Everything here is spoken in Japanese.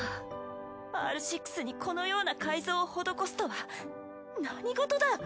あぁＲ６にこのような改造を施すとは何事だ！